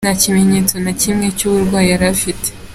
Nta kimenyetso na kimwe cy’uburwayi yari afite.